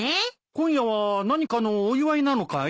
今夜は何かのお祝いなのかい？